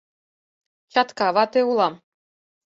Чатка вате улам.